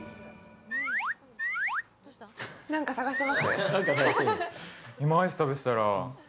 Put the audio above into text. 何か探してます？